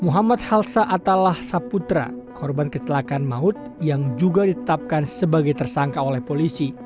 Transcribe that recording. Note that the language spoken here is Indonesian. muhammad halsa atallah saputra korban kecelakaan maut yang juga ditetapkan sebagai tersangka oleh polisi